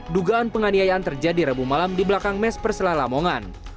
dugaan penganeian terjadi rebuh malam di belakang mes perselah lamongan